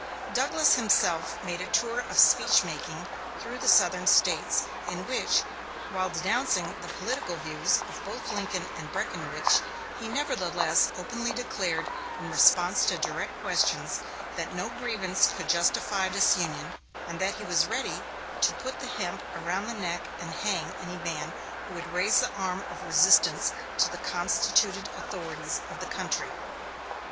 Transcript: Douglas himself made a tour of speech making through the Southern States, in which, while denouncing the political views of both Lincoln and Breckinridge, he nevertheless openly declared, in response to direct questions, that no grievance could justify disunion, and that he was ready "to put the hemp around the neck and hang any man who would raise the arm of resistance to the constituted authorities of the country."